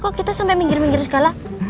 kok kita sampai minggir minggir sekolah